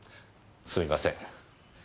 すみません。